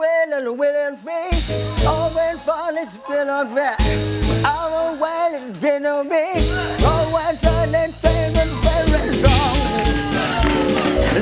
เราเรียกว่าคนเรามีดนตรีในหัวใจ